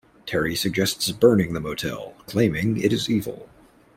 Terry suggests burning the motel, claiming it is evil.